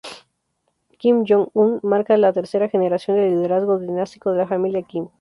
Kim Jong-un marca la tercera generación del liderazgo dinástico de la familia Kim.